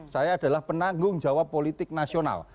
saya adalah penanggung jawab politik nasional